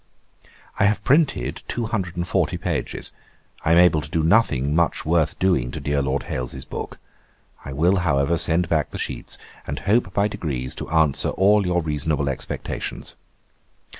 'I have printed two hundred and forty pages. I am able to do nothing much worth doing to dear Lord Hailes's book. I will, however, send back the sheets; and hope, by degrees, to answer all your reasonable expectations.